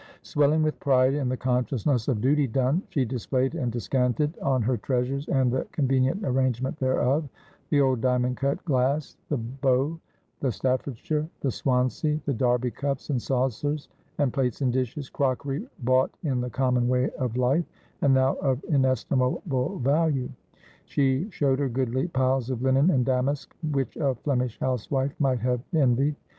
Swelling with pride and the consciousness of duty done, she displayed and descanted on her treasures and the convenient arrangement thereof ; the old diamond cut glass ; the Bow, the Staffordshire, the Swansea, the Derby cups and saucers, and plates and dishes — crockery bought in the common way of life, and now of inestimable value. She showed her goodly piles of linen and damask, which a Flemish housewife might have en vied.